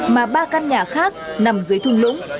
mà ba căn nhà khác nằm dưới thùng lũng